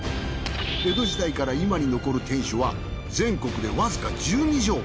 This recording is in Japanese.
江戸時代から今に残る天守は全国でわずか１２城。